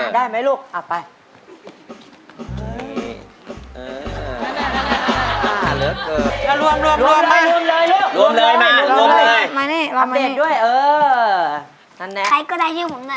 ได้เหรอฮะได้ไหมลูกอ่ะไป